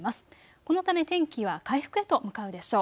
このため天気は回復へと向かうでしょう。